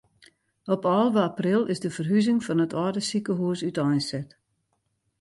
Op alve april is de ferhuzing fan it âlde sikehûs úteinset.